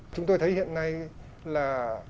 chúng tôi thấy hiện nay là